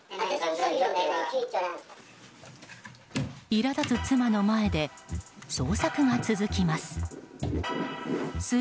いら立つ妻の前で捜索が続きます。